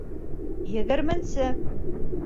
Егерменсе